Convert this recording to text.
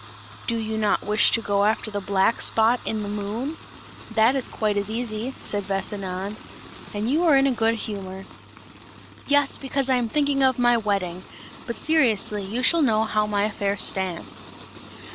"Do you not wish to go after the black spot in the moon? That is quite as easy," said Vesinand; "you are in a good humour!" "Yes, because I am thinking of my wedding; but seriously, you shall know how my affairs stand!"